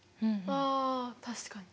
あ確かに。